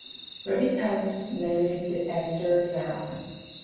Levitas married Esther Fera.